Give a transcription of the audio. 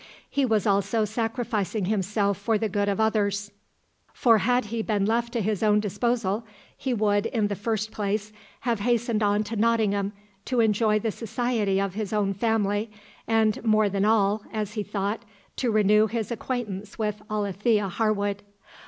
He was also sacrificing himself for the good of others, for had he been left to his own disposal, he would, in the first place, have hastened on to Nottingham to enjoy the society of his own family, and, more than all, as he thought, to renew his acquaintance with Alethea Harwood.